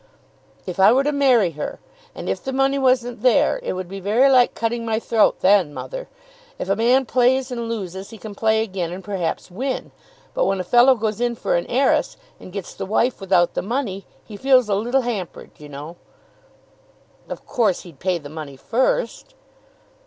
"If I were to marry her, and if the money wasn't there, it would be very like cutting my throat then, mother. If a man plays and loses, he can play again and perhaps win; but when a fellow goes in for an heiress, and gets the wife without the money, he feels a little hampered you know." "Of course he'd pay the money first."